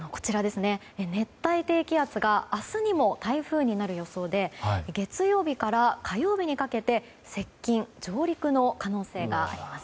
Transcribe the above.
熱帯低気圧が明日にも台風になる予想で月曜日から火曜日にかけて接近、上陸の可能性があります。